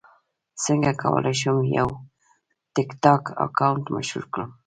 څنګه کولی شم یو ټکټاک اکاونټ مشهور کړم